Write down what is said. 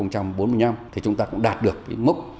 thì chúng ta cũng đạt được cái mốc